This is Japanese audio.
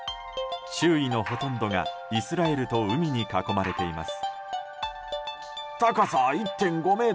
周囲のほとんどが、イスラエルと海に囲まれています。